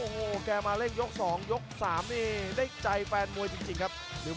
โหยกแรกถึงแม้ว่าจะได้มาสองนับครับ